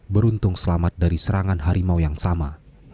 beruntung selamat dari serangan harimau yang sama